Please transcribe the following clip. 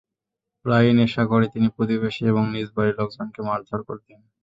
প্রায়ই নেশা করে তিনি প্রতিবেশী এবং নিজ বাড়ির লোকজনকে মারধর করতেন।